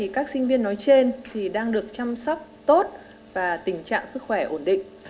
các sinh viên nói trên đang được chăm sóc tốt và tình trạng sức khỏe ổn định